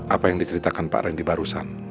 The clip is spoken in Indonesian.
apa yang diceritakan pak randy barusan